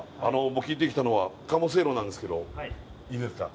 聞いてきたのは鴨せいろなんですけどいいですか？